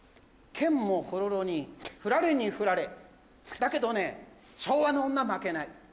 けんもほろろにふられにふられだけどね昭和の女負けない。